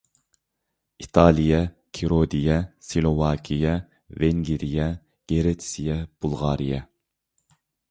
ئىتالىيە، كىرودىيە، سىلوۋاكىيە، ۋېنگىرىيە، گىرېتسىيە، بۇلغارىيە.